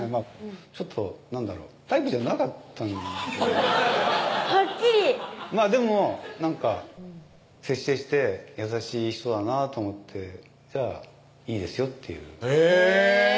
ちょっとなんだろうタイプじゃなかったはっきりでもなんか接していて優しい人だなと思って「じゃあいいですよ」っていうへぇ！